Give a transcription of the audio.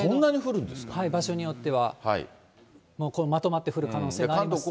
場所によっては、もうまとまって降る可能性もあります。